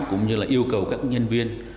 cũng như là yêu cầu các nhân viên